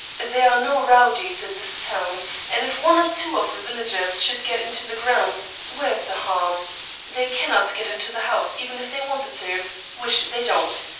There are no rowdies in this town, and if one or two of the villagers should get into the grounds, where is the harm? They cannot get into the house even if they wanted to, which they don't.